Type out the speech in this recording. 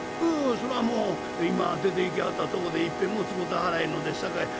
「それはもう今出ていきはったとこでいっぺんも使うてはらへんのですさかい